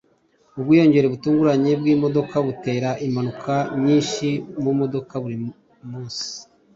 Ubwiyongere butunguranye bwimodoka butera impanuka nyinshi mumodoka burimunsi